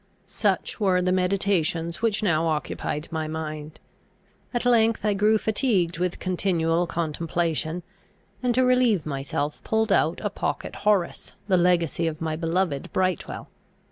Such were the meditations which now occupied my mind. At length I grew fatigued with continual contemplation, and to relieve myself pulled out a pocket Horace, the legacy of my beloved Brightwel!